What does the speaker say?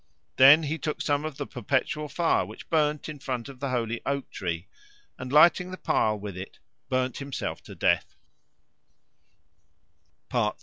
Then he took some of the perpetual fire which burned in front of the holy oak tree, and lighting the pile with it burned himself to death.